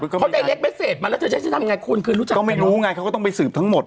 ก็ไม่รู้ไงเขาก็ต้องไปสืบทั้งหมด